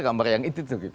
gambar yang itu tuh gitu